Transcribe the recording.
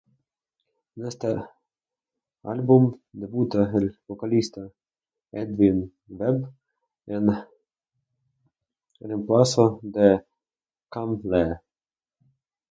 En este álbum debuta el vocalista Edwin Webb en reemplazo de Kam Lee.